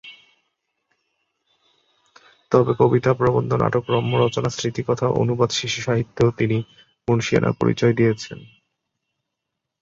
তবে কবিতা, প্রবন্ধ, নাটক, রম্যরচনা, স্মৃতিকথা, অনুবাদ, শিশুসাহিত্যেও তিনি মুনশিয়ানার পরিচয় দিয়েছেন।